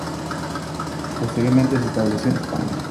Posteriormente se estableció en España.